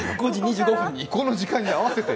この時間に合わせて。